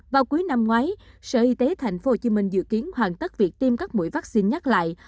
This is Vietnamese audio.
vào cuối năm ngoái sở y tế thành phố hồ chí minh dự kiến hoàn tất việc tiêm các mũi vaccine nhắc lại